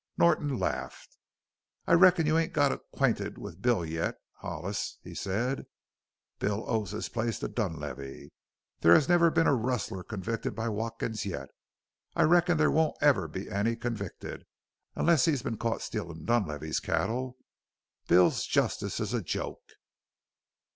Norton laughed. "I reckon you ain't got acquainted with Bill yet, Hollis," he said. "Bill owes his place to Dunlavey. There has never been a rustler convicted by Watkins yet. I reckon there won't ever be any convicted unless he's been caught stealin' Dunlavey's cattle. Bill's justice is a joke."